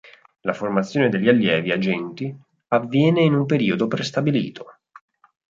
La formazione degli allievi agenti avviene in un periodo prestabilito.